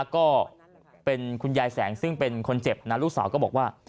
ก็เป็นคุณยายแสงซึ่งเป็นคนเจ็บนะลูกสาวก็บอกว่า